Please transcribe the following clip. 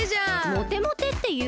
モテモテっていう？